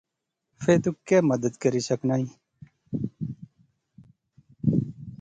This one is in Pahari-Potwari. فہ تو کیہہ مدد کری سکنائیں